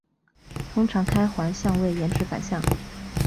通常开环相位延迟反相。